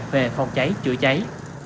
về phòng cháy chữa cháy